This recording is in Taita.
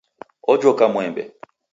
Ojoka mwembe.